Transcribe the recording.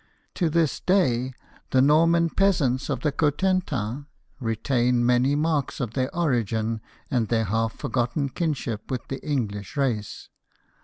To this day, the Norman peasants of the Cotentin retain many marks of their origin and their half forgotten kinship with the English race.